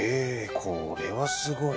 これはすごい！